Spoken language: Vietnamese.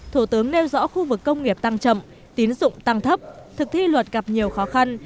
thủ tướng nêu rõ khu vực công nghiệp tăng chậm tín dụng tăng thấp thực thi luật gặp nhiều khó khăn